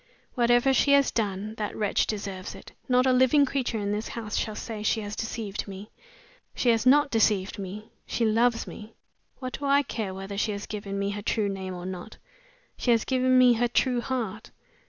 "Whatever she has done, that wretch deserves it! Not a living creature in this house shall say she has deceived me. She has not deceived me she loves me! What do I care whether she has given me her true name or not! She has given me her true heart.